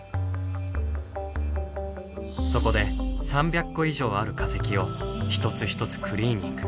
そこで３００個以上ある化石を一つ一つクリーニング。